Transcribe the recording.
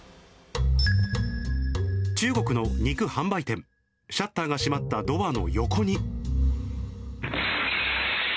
中国の肉販売店、シャッターが閉まったドアの横に。